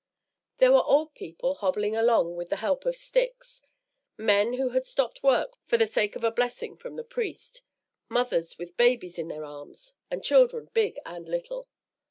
There were old people hobbling along with the help of sticks, men who had stopped work for the sake of a blessing from the priest, mothers with babies in their arms, and children big and little.